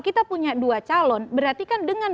kita punya dua calon berarti kan dengan